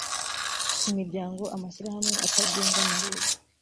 imiryango amashyirahamwe atagengwa na leta